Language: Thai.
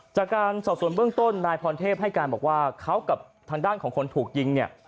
จากการสอบส่วนเบื้องต้นนายพรเทพให้การบอกว่าเขากับทางด้านของคนถูกยิงเนี่ย